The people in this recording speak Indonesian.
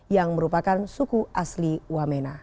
yang merupakan suku asli wamena